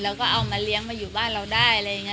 เราก็เอามาเลี้ยงมาอยู่บ้านเราได้